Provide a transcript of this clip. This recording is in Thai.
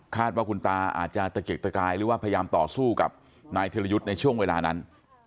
ว่าคุณตาอาจจะตะเกกตะกายหรือว่าพยายามต่อสู้กับนายธิรยุทธ์ในช่วงเวลานั้น